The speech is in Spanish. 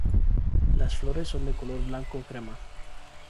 Las flores son de color blanco crema.